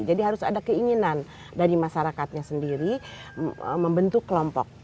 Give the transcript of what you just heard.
jadi harus ada keinginan dari masyarakatnya sendiri membentuk kelompok